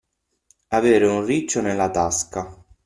Avere un riccio nella tasca.